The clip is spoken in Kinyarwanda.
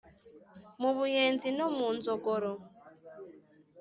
mu buyenzi no mu nzogoro